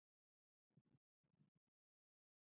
تور پوستکی لمر ته مقاومت لري